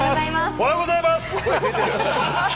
おはようございます。